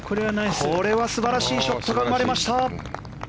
これは素晴らしいショットが生まれました。